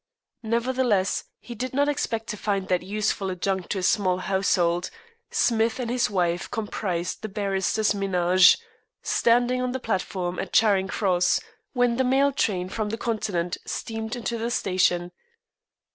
Nevertheless, he did not expect to find that useful adjunct to his small household Smith and his wife comprised the barrister's ménage standing on the platform at Charing Cross when the mail train from the Continent steamed into the station.